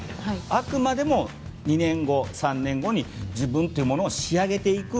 あくまでも２年後、３年後に自分というものを仕上げていく。